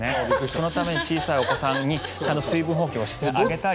そのために小さいお子さんに水分補給をしてあげたり。